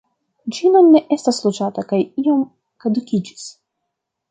Ĝi nun ne estas loĝata kaj iom kadukiĝis.